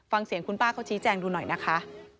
ฟังเสียงคุณป้าเขาชี้แจงดูหน่อยนะคะ